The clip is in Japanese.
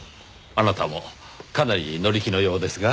あなたもかなり乗り気のようですが。